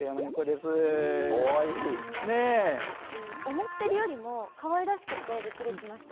思ってるよりもかわいらしくてびっくりしました。